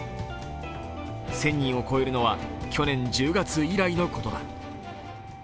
１０００人を超えるのは去年１０月以来のことだ。